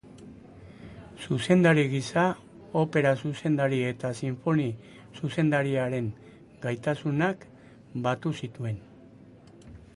Zuzendari gisa, opera-zuzendari eta sinfonia-zuzendariaren gaitasunak batu zituen.